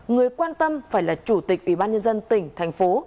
người quan tâm phải là chủ tịch ủy ban nhân dân tỉnh thành phố